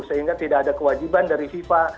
sehingga tidak ada kewajiban dari fifa